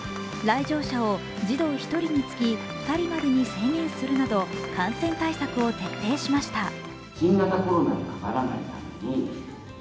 来場者を児童１人につき２人までに制限するなど感染対策を徹底しました。